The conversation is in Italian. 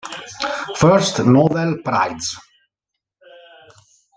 First Novel Prize.